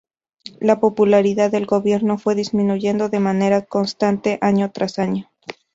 La popularidad del gobierno fue disminuyendo de manera constante año tras año.